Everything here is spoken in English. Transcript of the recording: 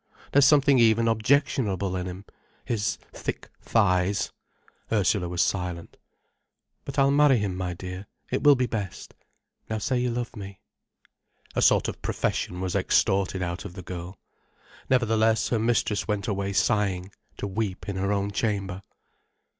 There's something even objectionable in him—his thick thighs—" Ursula was silent. "But I'll marry him, my dear—it will be best. Now say you love me." A sort of profession was extorted out of the girl. Nevertheless her mistress went away sighing, to weep in her own chamber.